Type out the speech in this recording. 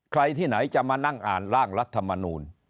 ใครที่ไหนจะมานั่งอ่านร่างรัฐมนูล